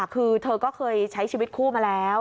คือเธอก็เคยใช้ชีวิตคู่มาแล้ว